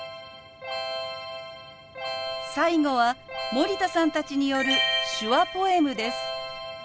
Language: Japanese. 最後は森田さんたちによる手話ポエムです。